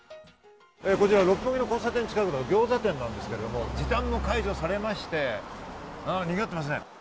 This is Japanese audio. こちら六本木の交差点の近くの餃子店なんですが、時短も解除されまして、にぎわっていますね。